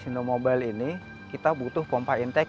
kita butuh pompa internet kita butuh pompa internet